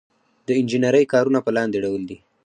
د انجنیری کارونه په لاندې ډول دي.